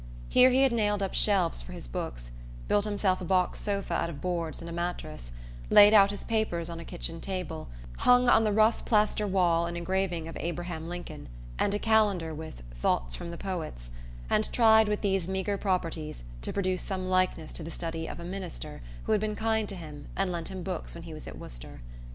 Here he had nailed up shelves for his books, built himself a box sofa out of boards and a mattress, laid out his papers on a kitchen table, hung on the rough plaster wall an engraving of Abraham Lincoln and a calendar with "Thoughts from the Poets," and tried, with these meagre properties, to produce some likeness to the study of a "minister" who had been kind to him and lent him books when he was at Worcester.